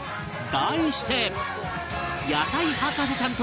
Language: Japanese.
題して